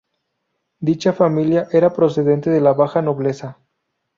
Dicha familia era procedente de la baja nobleza.